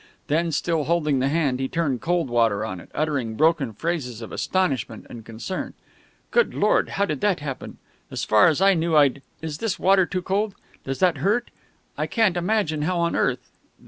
Then, still holding the hand, he turned cold water on it, uttering broken phrases of astonishment and concern. "Good Lord, how did that happen! As far as I knew I'd ... is this water too cold? Does that hurt? I can't imagine how on earth